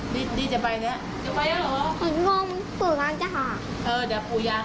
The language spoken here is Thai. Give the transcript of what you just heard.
ลำไม่เป็นด้วย